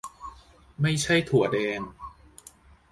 ไม่ใช่ถั่วแดง